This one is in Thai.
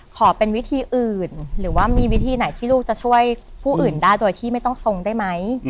ขอเป็นวิธีอื่นหรือว่ามีวิธีไหนที่ลูกจะช่วยผู้อื่นได้โดยที่ไม่ต้องทรงได้ไหม